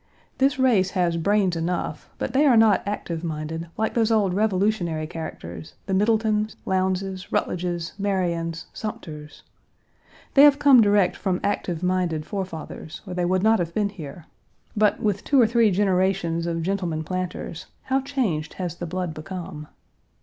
This race has brains enough, but they are not active minded like those old Revolutionary characters, the Middletons, Lowndeses, Rutledges, Marions, Summers. They have come direct from active minded forefathers, or they would not have been here; but, with two Page 176 or three generations of gentlemen planters, how changed has the blood become!